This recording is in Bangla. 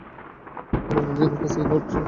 এবং আমি আমার কাজ থেকে নড়ছি না।